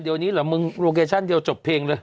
เดี๋ยวนี้เหรอมึงโลเคชั่นเดียวจบเพลงเลย